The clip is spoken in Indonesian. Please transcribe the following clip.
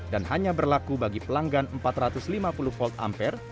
dan hanya berlaku bagi pelanggan empat ratus lima puluh volt amper